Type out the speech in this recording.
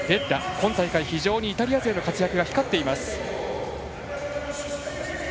今大会、非常にイタリア勢の活躍が光っています。